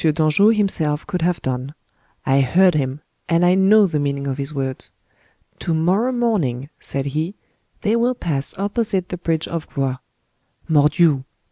Daangeau himself could have done—I heard him, and I know the meaning of his words. 'To morrow morning,' said he, 'they will pass opposite the bridge of Blois.' Mordioux!